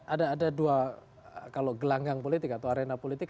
ada dua kalau gelanggang politik atau arena politik